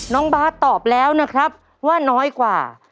น้องบาทตอบแล้วนะครับว่าน้อยกว่า